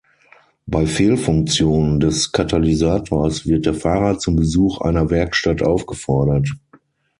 Bei Fehlfunktion des Katalysators wird der Fahrer zum Besuch einer Werkstatt aufgefordert.